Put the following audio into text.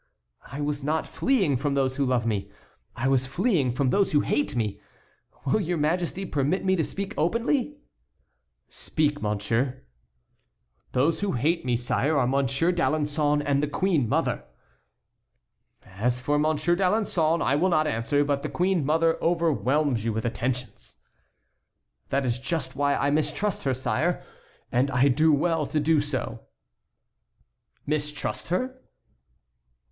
"I was not fleeing from those who love me; I was fleeing from those who hate me. Will your Majesty permit me to speak openly?" "Speak, monsieur." "Those who hate me, sire, are Monsieur d'Alençon and the queen mother." "As for Monsieur d'Alençon I will not answer; but the queen mother overwhelms you with attentions." "That is just why I mistrust her, sire. And I do well to do so." "Mistrust her?"